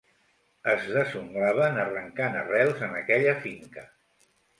Es desunglaven arrencant arrels en aquella finca.